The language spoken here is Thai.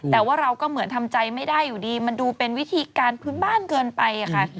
แต่ว่าเราก็เหมือนทำใจไม่ได้อยู่ดีมันดูเป็นวิธีการพื้นบ้านเกินไปค่ะ